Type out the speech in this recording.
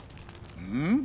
うん？